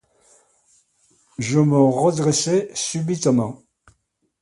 Je me redressai subitement.